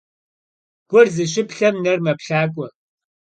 Gur zışıplhem, ner meplhakhue.